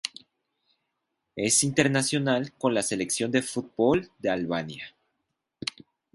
Es internacional con la selección de fútbol de Albania.